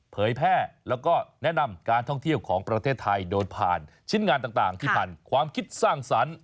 เผยแพร่แล้วก็แนะนำการท่องเที่ยวของประเทศไทยโดยผ่านชิ้นงานต่างที่ผ่านความคิดสร้างสรรค์